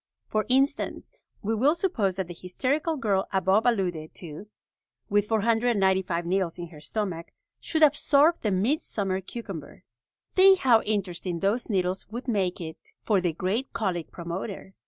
For instance, we will suppose that the hysterical girl above alluded to, with 495 needles in her stomach, should absorb the midsummer cucumber. Think how interesting those needles would make it for the great colic promoter!